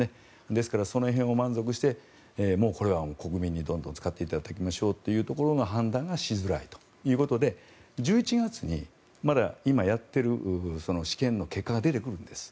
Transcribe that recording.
ですからその辺を満足してこれはもうどんどん国民に使っていただきましょうという判断がしづらいということで１１月にまだ今やっている治験の結果が出てくるんです。